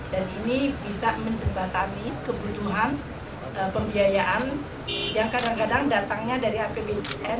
dan ini bisa menjembatani kebutuhan pembiayaan yang kadang kadang datangnya dari apbn